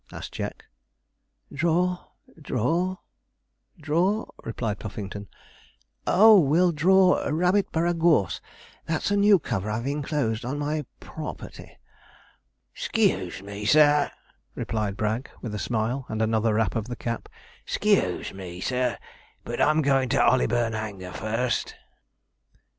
asked Jack. 'Draw draw draw,' replied Puffington. 'Oh, we'll draw Rabbitborough Gorse that's a new cover I've inclosed on my pro o r perty.' 'Sc e e use me, sir,' replied Bragg, with a smile, and another rap of the cap: 'sc e e use me, sir, but I'm going to Hollyburn Hanger first.'